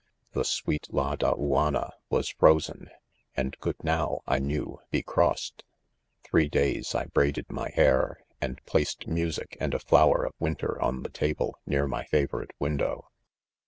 The sweet Ladauanna, was frozen, and could now, I knew, be crossed. Three days I braided my hair, and placed music and a flower of winter on the table near my favorite window.